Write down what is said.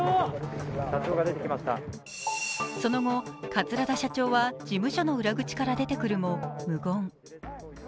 その後、桂田社長は事務所の裏口から出てくるも無言。